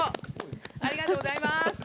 ありがとうございます！